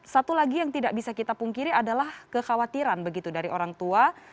satu lagi yang tidak bisa kita pungkiri adalah kekhawatiran begitu dari orang tua